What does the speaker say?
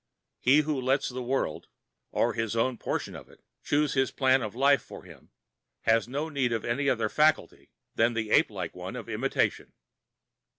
He who lets the world, or his own portion of it, choose his plan of life for him has no need of any other faculty than the ape like one of imitation.